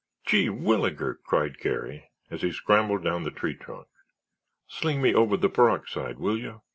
"Gee whillager!" cried Garry as he scrambled down the tree trunk. "Sling me over the peroxide, will you!"